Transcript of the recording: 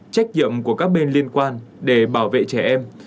trách nhiệm của các bên liên quan để bảo vệ trẻ em